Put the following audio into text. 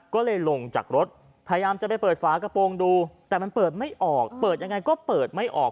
ก็เลยลงจากรถพยายามจะไปเปิดฝากระโปรงดูแต่มันเปิดไม่ออกเปิดยังไงก็เปิดไม่ออก